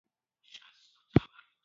• مینه د بښنې اصل دی.